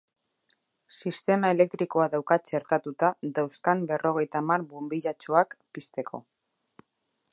Sistema elektrikoa dauka txertatuta dauzkan berrogeita hamar bonbilatxoak pizteko.